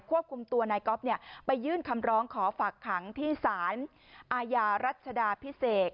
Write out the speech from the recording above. ควบคุมตัวนายก๊อฟไปยื่นคำร้องขอฝากขังที่ศาลอาญารัชดาพิเศษ